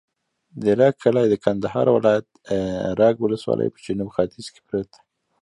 د رګ کلی د کندهار ولایت، رګ ولسوالي په جنوب ختیځ کې پروت دی.